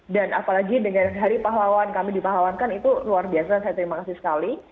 dan apalagi dengan hari pahlawan kami dipahlawankan itu luar biasa saya terima kasih sekali